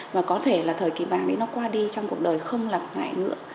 và có thể là thời kỳ vàng nó qua đi trong cuộc đời không lặng ngại nữa